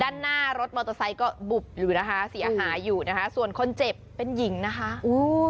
ด้านหน้ารถมอเตอร์ไซค์ก็บุบอยู่นะคะเสียหายอยู่นะคะส่วนคนเจ็บเป็นหญิงนะคะโอ้